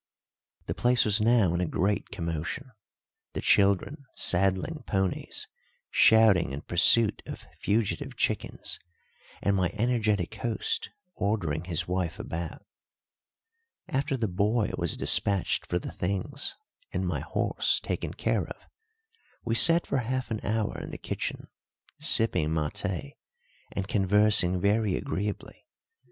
The place was now in a great commotion, the children saddling ponies, shouting in pursuit of fugitive chickens, and my energetic host ordering his wife about. After the boy was despatched for the things and my horse taken care of, we sat for half an hour in the kitchen sipping maté and conversing very agreeably.